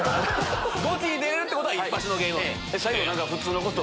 ゴチに出れるってことはいっぱしの芸能人。